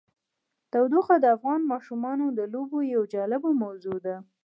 تودوخه د افغان ماشومانو د لوبو یوه جالبه موضوع ده.